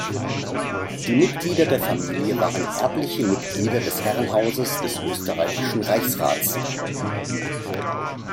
Die Mitglieder der Familie waren erbliche Mitglieder des Herrenhauses des österreichischen Reichsrats.